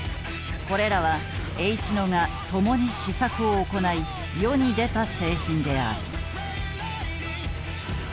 これらはＨ野が共に試作を行い世に出た製品である。